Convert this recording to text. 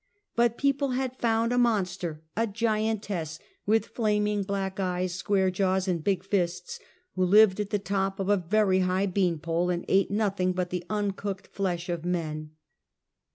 But people had found a monster, a giantess, with flaming black eyes, square jaws and big fists, who lived at the top of a very high bean pole, and ate nothing but the uncooked flesh of men.